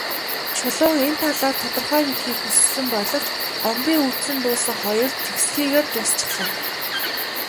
Чулуун энэ талаар тодорхой мэдэхийг хүссэн боловч Гомбын үзсэн дуулсан хоёр тэгсхийгээд дуусчихлаа.